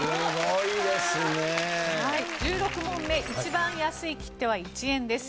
１６問目一番安い切手は１円です。